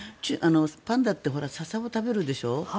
パンダってササを食べるでしょ？